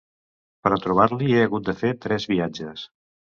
Per a trobar-l'hi he hagut de fer tres viatges.